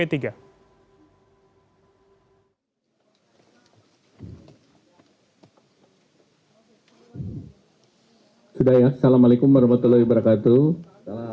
sudah ya assalamualaikum warahmatullahi wabarakatuh